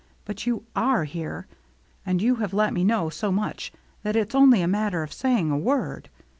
But you are here, and you have let me know so much that it's only a matter of saying a word.